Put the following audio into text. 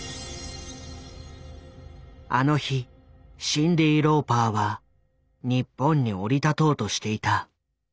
あの日シンディ・ローパーは日本に降り立とうとしていた。